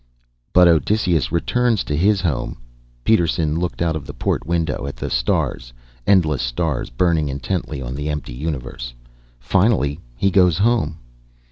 "But Odysseus returns to his home." Peterson looked out the port window, at the stars, endless stars, burning intently in the empty universe. "Finally he goes home."